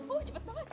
oh cepet banget